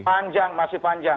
panjang masih panjang